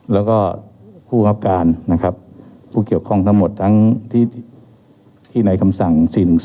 แล้วก็ผู้คับการนะครับผู้เกี่ยวข้องทั้งหมดทั้งที่ในคำสั่ง๔๑๔